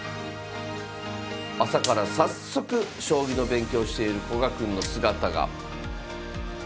朝から早速将棋の勉強をしている古賀くんの姿が。